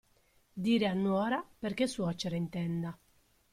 Dire a nuora perché suocera intenda.